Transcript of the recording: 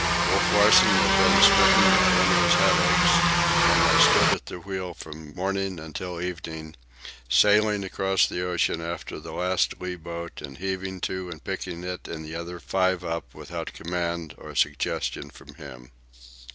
Wolf Larsen had been smitten with one of his headaches, and I stood at the wheel from morning until evening, sailing across the ocean after the last lee boat, and heaving to and picking it and the other five up without command or suggestion from him.